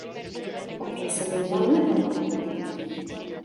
Také se věnoval meteorologii.